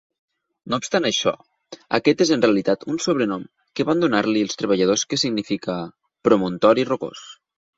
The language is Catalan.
No obstant això, aquest és en realitat un sobrenom que van donar-li els treballadors que significa "promontori rocós".